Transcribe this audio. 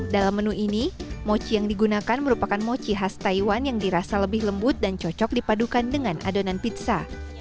dalam menu ini mochi yang digunakan merupakan mochi khas taiwan yang dirasa lebih lembut dan cocok dipadukan dengan adonan pizza